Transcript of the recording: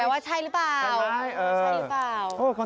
มีไพและน้ำจิ้ม